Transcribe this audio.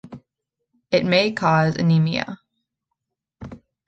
It may cause anemia.